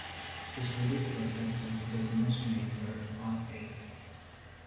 His ridiculous hypersensitiveness made her heart ache.